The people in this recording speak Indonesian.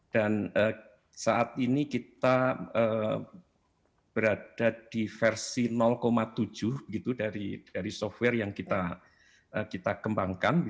dan saat ini kita berada di versi tujuh gitu dari software yang kita kembangkan